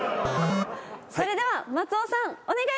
それでは松尾さんお願いします！